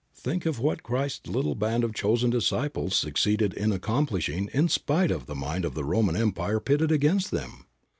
Think of what Christ's little band of chosen disciples succeeded in accomplishing in spite of the might of the Roman empire pitted against them!